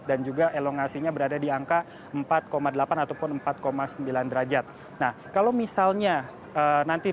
dan juga elongasinya berada di angka empat delapan ataupun empat sembilan derajat